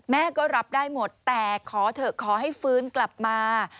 แม่ก็รับได้หมดแต่ขอเถอะขอให้ฟื้นกลับมา